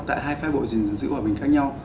tại hai phái bộ dình dữ hòa bình khác nhau